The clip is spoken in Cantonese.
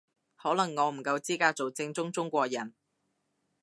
可能我唔夠資格做正宗中國人